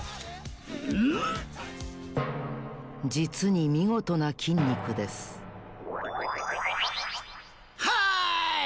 じつにみごとな筋肉ですはい！